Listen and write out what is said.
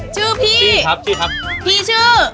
ชื่อพี่พี่ชื่อ